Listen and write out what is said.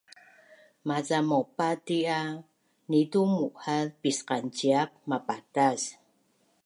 Maca maupati’ a nitu mu’haz pisqanciap mapatas